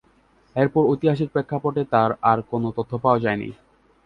এরপর ঐতিহাসিক প্রেক্ষাপটে তার আর কোনো তথ্য পাওয়া যায়নি।